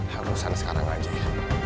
harusan sekarang aja ya